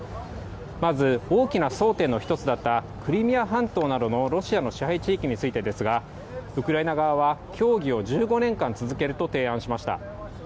まず大きな争点の１つだったクリミア半島などのロシアの支配地域についてですがウクライナ側は協議を１５年間続けると提案しました。